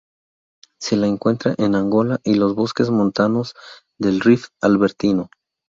Se la encuentra en Angola y los bosques montanos del rift Albertino.